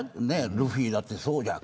ルフィだって、そうじゃん。